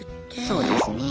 そうですね。